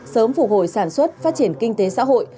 sớm phục hồi sản xuất phát triển kinh tế xã hội